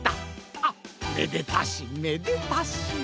あめでたしめでたし！